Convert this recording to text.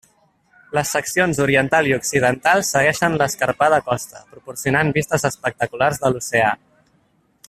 Les seccions oriental i occidental segueixen l'escarpada costa, proporcionant vistes espectaculars de l'oceà.